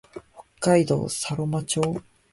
北海道佐呂間町